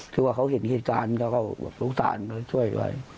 ถึงว่าเขาเห็นเหตุสารเขาก็แบบลูกสารเขาช่วยไว้